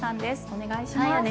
お願いします。